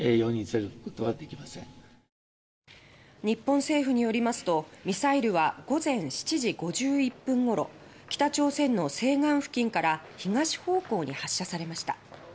日本政府によりますとミサイルは午前７時５１分頃北朝鮮の西岸付近から東方向に発射されました。